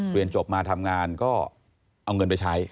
เรียนจบมาทำงานก็เอาเงินไปใช้